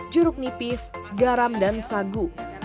jeruk nipis garam dan sagu